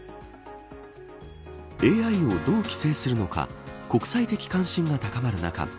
ＡＩをどう規制するのか国際的関心が高まる中